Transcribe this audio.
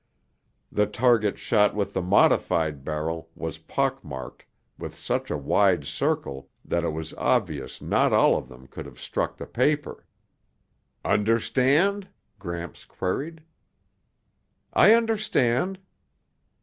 The target shot with the modified barrel was pock marked with such a wide circle that it was obvious not all of them could have struck the paper. "Understand?" Gramps queried. "I understand."